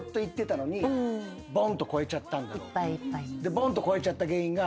ぼんと超えちゃった原因が。